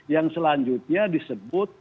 yang selanjutnya disebut